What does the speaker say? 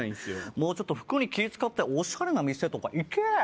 もうちょっと服に気使ってオシャレな店とか行け